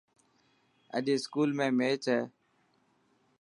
اڄ اسڪول ۾ ميچ هي.